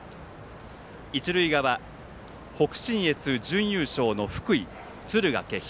一塁側、北信越準優勝の福井・敦賀気比。